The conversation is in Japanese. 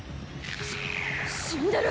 し死んでる。